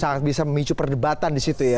sangat bisa memicu perdebatan disitu ya